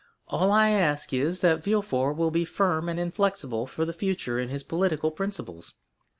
All I ask is, that Villefort will be firm and inflexible for the future in his political principles.